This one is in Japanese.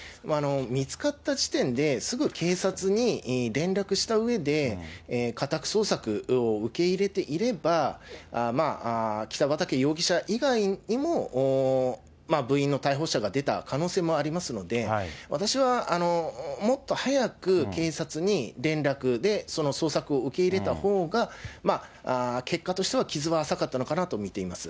見つかった時点ですぐ警察に連絡したうえで、家宅捜索を受け入れていれば、北畠容疑者以外にも、部員の逮捕者が出た可能性もありますので、私はもっと早く警察に連絡、で、その捜索を受け入れたほうが、結果としては傷は浅かったのかなと見ています。